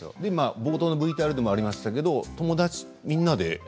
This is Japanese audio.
冒頭のＶＴＲでもありましたが、友達みんなで？